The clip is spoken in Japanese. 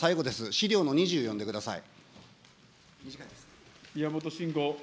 資料の２０読んでください。